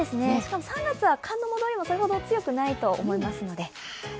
しかも３月は寒の戻りもそれほど強くないと思いますので。